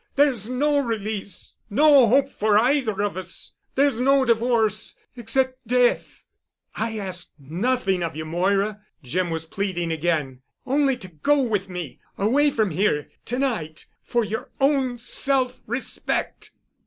"There's no release—no hope for either of us. There's no divorce—except death——" "I ask nothing of you, Moira," Jim was pleading again, "only to go with me—away from here—to night—for your own self respect."